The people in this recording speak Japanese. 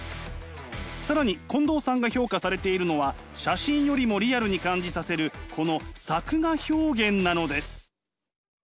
更に近藤さんが評価されているのは写真よりもリアルに感じさせるこの作画表現なのです。